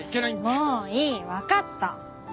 もういい分かった。